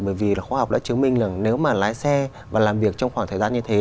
bởi vì là khoa học đã chứng minh là nếu mà lái xe và làm việc trong khoảng thời gian như thế